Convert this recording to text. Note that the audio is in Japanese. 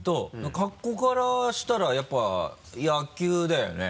格好からしたらやっぱり野球だよね？